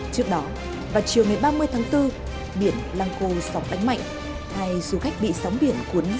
trước đó vào chiều ngày ba mươi tháng bốn biển lăng cô sóng đánh mạnh hai du khách bị sóng biển cuốn ra xa mở vào đuối nước